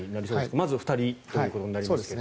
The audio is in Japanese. まず２人ということになりますけれど。